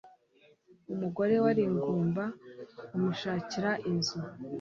Umugore wari ingumba amushakira inzu